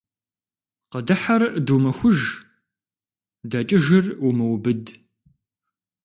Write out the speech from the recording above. Къыдыхьэр думыхуж, дэкӀыжыр умыубыд.